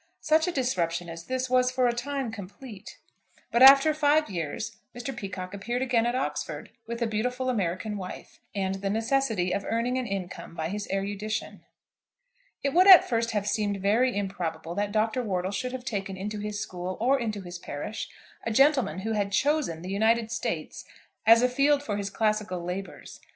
Such a disruption as this was for a time complete; but after five years Mr. Peacocke appeared again at Oxford, with a beautiful American wife, and the necessity of earning an income by his erudition. It would at first have seemed very improbable that Dr. Wortle should have taken into his school or into his parish a gentleman who had chosen the United States as a field for his classical labours.